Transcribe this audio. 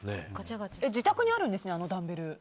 自宅にあるんですね、ダンベル。